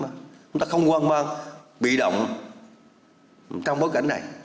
chúng ta không hoang mang bị động trong bối cảnh này